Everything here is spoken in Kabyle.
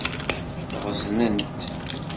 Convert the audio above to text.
Ɣeẓnent.